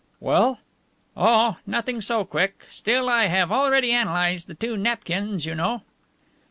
"'Well?" "Oh, nothing so quick. Still, I have already analyzed the two napkins, you know."